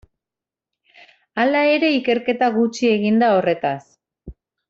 Hala ere ikerketa gutxi egin da horretaz.